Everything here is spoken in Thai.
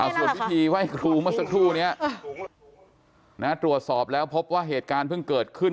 ส่วนพิธีไหว้ครูเมื่อสักครู่นี้ตรวจสอบแล้วพบว่าเหตุการณ์เพิ่งเกิดขึ้น